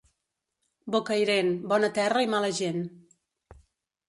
Bocairent, bona terra i mala gent.